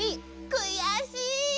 くやしい！